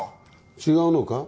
違うのか？